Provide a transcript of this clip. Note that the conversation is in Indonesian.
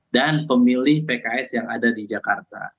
dan pemilih pks yang ada di jakarta